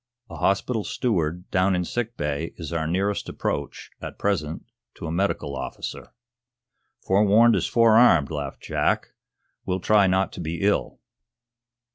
A hospital steward down in sick bay is our nearest approach, at present, to a medical officer." "Forewarned is forearmed," laughed Jack. "We'll try not to be ill."